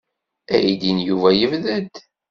Aydi n Yuba yebded.